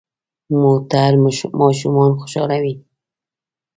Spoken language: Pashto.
موټر ماشومان خوشحالوي.